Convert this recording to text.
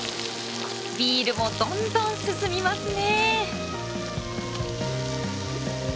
ビールもどんどんすすみますね。